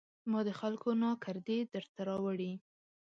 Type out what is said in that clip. ما د خلکو ناکردې درته راوړي